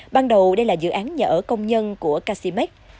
ban đầu đây là dự án nhà ở công nhân của casimax